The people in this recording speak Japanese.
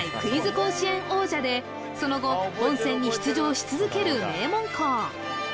甲子園王者でその後本戦に出場し続ける名門校